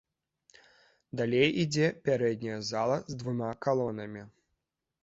Далей ідзе пярэдняя зала з двума калонамі.